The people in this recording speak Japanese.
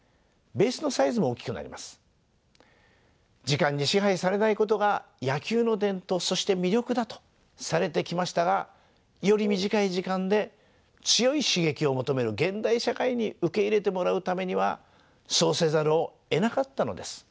時間に支配されないことが野球の伝統そして魅力だとされてきましたがより短い時間で強い刺激を求める現代社会に受け入れてもらうためにはそうせざるをえなかったのです。